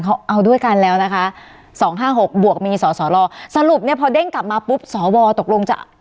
เขาเอาด้วยกันแล้วนะคะสองห้าหกบวกมีสอสรสรตกลงจะ